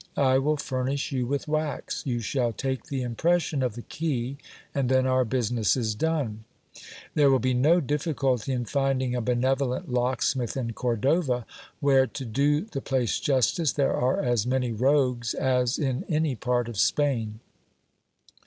I will furnish you with wax ; you shall take the impression of the key, and then our business is done. There will be scinas STORY. no difficulty in finding a benevolent locksmith in Cordova, where, to do the place justice, there are as many rogues as in any part of Spain.